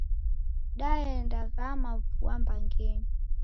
Daenda ghama vua mbangenyi.